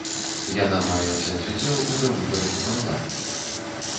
Яна мае ўзяць удзел у давыбарах у парламент.